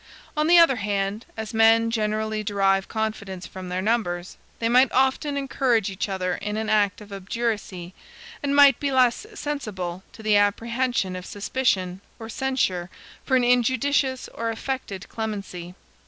On the other hand, as men generally derive confidence from their numbers, they might often encourage each other in an act of obduracy, and might be less sensible to the apprehension of suspicion or censure for an injudicious or affected clemency.